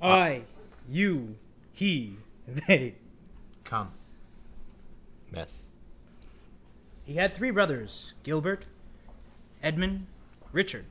I you he they. Come, mess. STEPHEN: He had three brothers, Gilbert, Edmund, Richard.